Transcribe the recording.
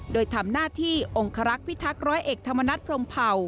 โดยทำหน้าที่องคลักษ์พิทักษ์ร้อยเอกธรรมนัฐพรมเผ่า